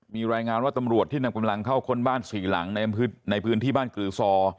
มีรายงานว่าตำรวจที่นำกำลังเข้าค้นบ้านสี่หลังในพื้นที่บ้านกรือซอ